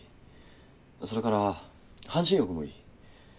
それから半身浴もいい。